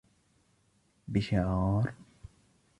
بشعار